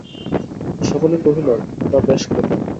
সকলে কহিল–তা বেশ কথা।